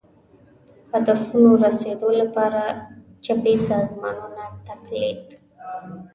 هدفونو رسېدو لپاره چپي سازمانونو تقلید